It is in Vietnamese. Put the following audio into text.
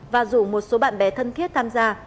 và rủ một số bạn bè thân thiết tham gia